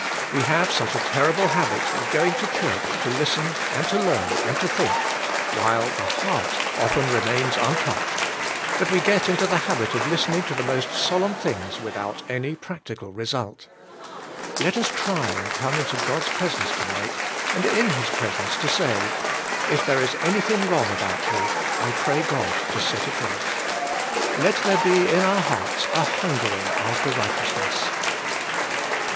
We have such a terrible habit of going to church to listen and to learn and to think, while the heart often remains untouched, 42 THE SPIRITUAL LIFE. that we get into the habit of listening to the most solemn things without any practical result. Let us try and come into God's presence tonig ht, and in His presence to say, "If there is anything wrong about me I pray God to set it right." Let there be in our hearts a hungering after righteousness.